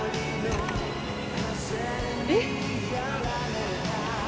えっ。